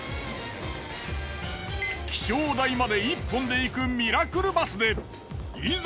気象台まで１本で行くミラクルバスでいざ